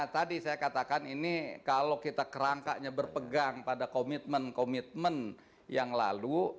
tadi saya katakan ini kalau kita kerangkaknya berpegang pada komitmen komitmen yang lalu ya tentu saja